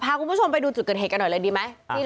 พาคุณผู้ชมไปดูจุดเกิดเหตุกันหน่อยเลยดีไหม